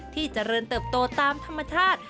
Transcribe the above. ที่เจริญเติบโตตามธรรมชาติ